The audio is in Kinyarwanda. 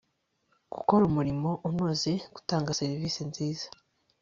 gukora umurimo unoze, gutanga serevisi nziza